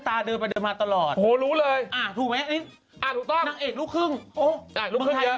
แต่ลูกครึ่งเยอะไปลูกภาย